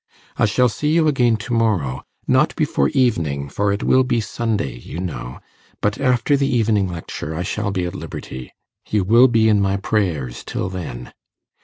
I shall see you again to morrow not before evening, for it will be Sunday, you know; but after the evening lecture I shall be at liberty. You will be in my prayers till then.